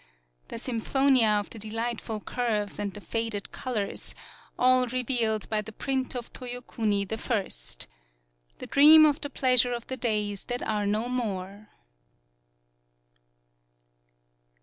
The sym pJionia of the delightful curves and the faded colors, all revealed by the print of Toyokuni the first! The dream of the pleasure of the days that are no more